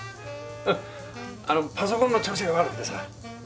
あのパソコンの調子が悪くてさ。